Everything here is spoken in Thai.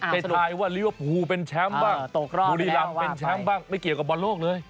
ไปทายว่าลายอนปูร์เป็นแชมป์บ้างโดริลักษณ์เป็นแชมป์ไม่เกี่ยวกับบรรโลกเลย